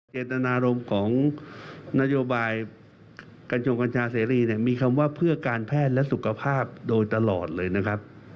เจตนารมณ์ของนโยบายกัญจงกัญชาเสรีเนี่ยมีคำว่าเพื่อการแพทย์และสุขภาพโดยตลอดเลยนะครับ